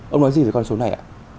ông nói gì về con số này ạ